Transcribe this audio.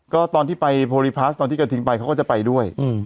ก็ตอนที่ไปโพลิพลัสตอนที่กระทิงไปเขาก็จะไปด้วย